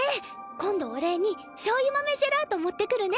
今度お礼に醤油豆ジェラート持ってくるね。